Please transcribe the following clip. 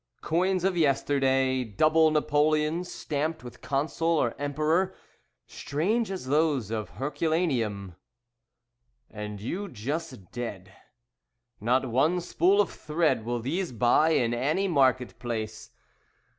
Coins of yesterday, Double napoleons stamped with Consul or Emperor, Strange as those of Herculaneum And you just dead! Not one spool of thread Will these buy in any market place.